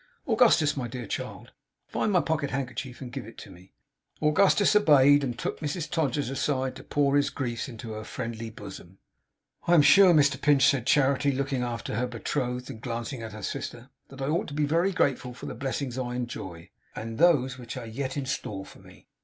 Augustus, my dear child, find my pocket handkerchief, and give it to me.' Augustus obeyed, and took Mrs Todgers aside to pour his griefs into her friendly bosom. 'I am sure, Mr Pinch,' said Charity, looking after her betrothed and glancing at her sister, 'that I ought to be very grateful for the blessings I enjoy, and those which are yet in store for me.